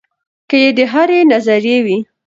کۀ د هرې نظرئې وي